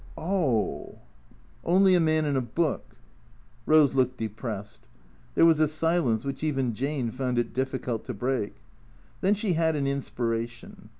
"Oh — only a man in a book." Rose looked depressed. There was a silence which even Jane found it difficult to break. Then she had an inspiration.